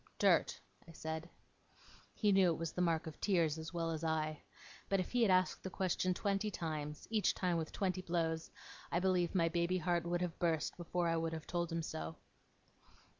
'Dirt,' I said. He knew it was the mark of tears as well as I. But if he had asked the question twenty times, each time with twenty blows, I believe my baby heart would have burst before I would have told him so.